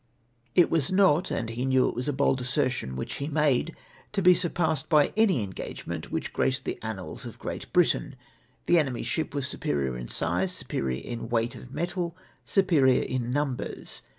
It was not — and he knew it was a bold assertion which he made — to be sm^passed by any engagement which graced the annals of Great Britain ; the enemy's ship was superior in size, superior in weight of metal, superior in numbers.